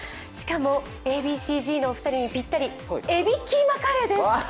しかもＡ．Ｂ．Ｃ−Ｚのお二人にぴったり海老キーマカレーです。